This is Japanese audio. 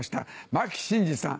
牧伸二さん。